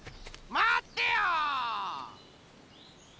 まってよ！